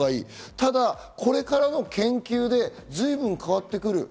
ただこれからの研究で随分変わってくる。